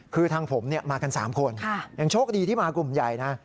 คือทางผมมากัน๓คนยังโชคดีที่มากลุ่มใหญ่นะ